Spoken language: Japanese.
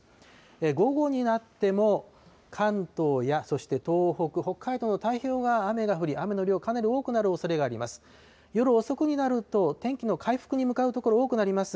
午後になっても関東やそして東北、北海道の太平洋側、雨が降り、雨の量、かなり多くなるおそれがあります。